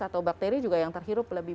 atau bakteri juga yang terhirup lebih